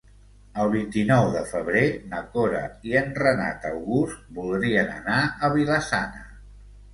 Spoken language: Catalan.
El vint-i-nou de febrer na Cora i en Renat August voldrien anar a Vila-sana.